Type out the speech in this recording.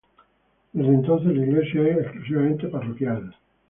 Desde entonces, la iglesia es exclusivamente parroquial.